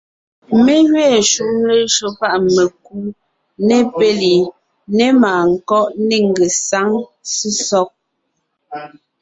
Mé gẅiin shúm lejÿo páʼ mekú , ne péli, ne màankɔ́ʼ, ne ngesáŋ, sesɔg;